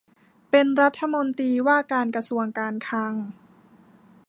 เป็นรัฐมนตรีว่าการกระทรวงการคลัง